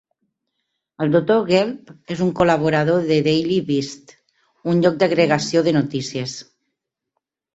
El doctor Gelb és un col·laborador de The Daily Beast, un lloc d'agregació de notícies.